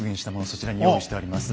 そちらに用意してあります。